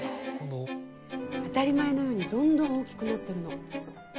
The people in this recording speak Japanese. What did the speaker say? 当たり前のようにどんどん大きくなってるの。